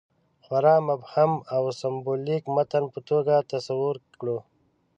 خورا مبهم او سېمبولیک متن په توګه تصور کړو.